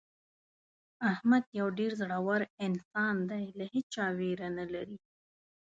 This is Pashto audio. احمد یو ډېر زړور انسان دی له هېچا ویره نه لري.